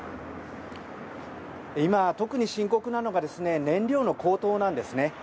今、特に深刻なのが燃料の高騰なんですね。